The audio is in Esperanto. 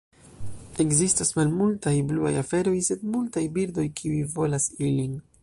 Ekzistas malmultaj bluaj aferoj, sed multaj birdoj kiuj volas ilin.